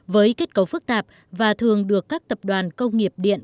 với kết cấu phức tạp và thường được các tập đoàn công nghiệp điện